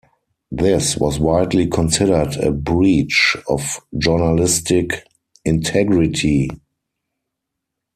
This was widely considered a breach of journalistic integrity.